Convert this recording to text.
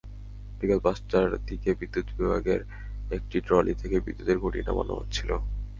বিকেল পাঁচটার দিকে বিদ্যুৎ বিভাগের একটি ট্রলি থেকে বিদ্যুতের খুঁটি নামানো হচ্ছিল।